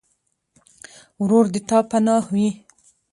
ورور د تا پناه وي.